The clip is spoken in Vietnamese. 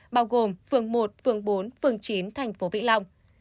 bao gồm phường một phường bốn phường chín thành phố vĩnh long